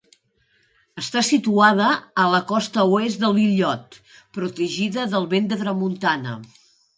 Està situada a la costa oest de l'illot, protegida del vent de tramuntana.